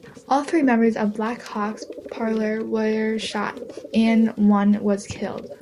All three members of Black Hawk's parley were shot and one was killed.